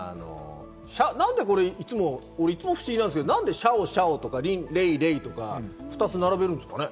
何でいつも不思議なんですけど、シャオシャオとかレイレイとか２つ並べるんですか？